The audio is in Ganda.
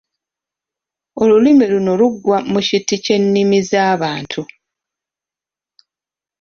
"Olulimi luno lugwa mu kiti ky’ennimi za ""Bantu""."